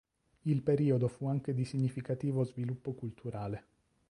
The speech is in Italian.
Il periodo fu anche di significativo sviluppo culturale.